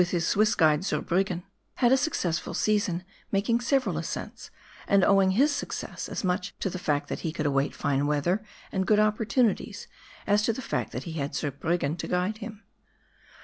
his Swiss guide, Zurbriggen, had a successful season, making several ascents, and owing his success as much to the fact that he could await fine weather and good opportunities, as to the fact that he had Zurbriggen to guide him.